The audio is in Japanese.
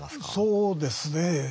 そうですね。